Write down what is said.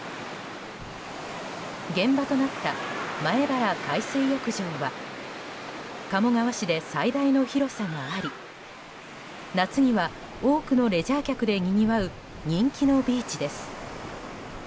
現場となった前原海水浴場は鴨川市で最大の広さがあり夏には多くのレジャー客でにぎわう人気のビーチです。